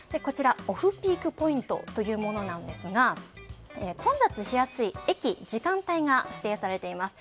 オフピークポイントというもので混雑しやすい駅、時間帯が指定されています。